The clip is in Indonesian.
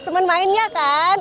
temen mainnya kan